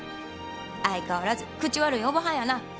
相変わらず口悪いおばはんやな。